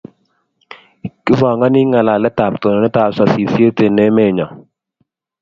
Kipangani ngalalet ab tononet ab sasishet eng emennyo